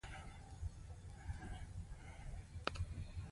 آیا نوم یې په زرینو کرښو لیکل سوی؟